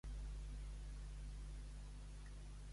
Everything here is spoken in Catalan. Un cafís de.